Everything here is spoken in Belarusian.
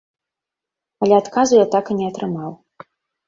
Але адказу я так і не атрымаў.